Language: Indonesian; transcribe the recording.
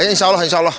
insya allah insya allah